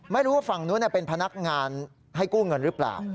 ไม่รู้ว่าฝั่งนู้นเป็นพนักงานให้กู้เงินหรือเปล่า